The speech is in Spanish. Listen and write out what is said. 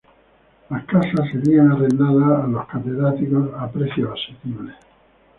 Las casas serían arrendadas a los catedráticos a precios asequibles.